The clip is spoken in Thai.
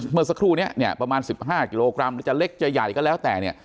เมื่อสักครู่นี้เนี่ยประมาณ๑๕กิโลกรัมหรือจะเล็กจะใหญ่ก็แล้วแต่เนี่ย